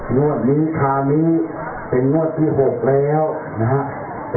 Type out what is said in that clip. สวัสดีครับสวัสดีครับ